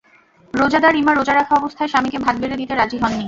রোজাদার ইমা রোজা রাখা অবস্থায় স্বামীকে ভাত বেড়ে দিতে রাজি হননি।